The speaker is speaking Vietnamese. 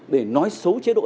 để nói xấu chế độ ta